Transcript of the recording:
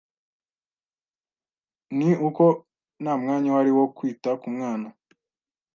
ni uko nta mwanya uhari wo kwita ku mwana